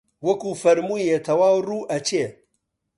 وەکوو فەرموویە تەواو ڕوو ئەچێ